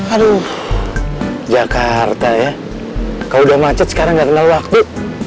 aduh jakarta ya kalau udah macet sekarang nggak kenal waktu